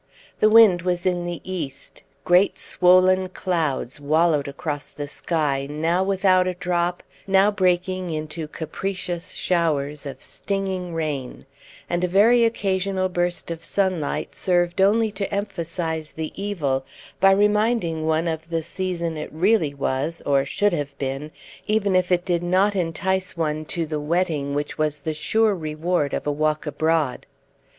The wind was in the east; great swollen clouds wallowed across the sky, now without a drop, now breaking into capricious showers of stinging rain; and a very occasional burst of sunlight served only to emphasize the evil by reminding one of the season it really was, or should have been, even if it did not entice one to the wetting which was the sure reward of a walk abroad.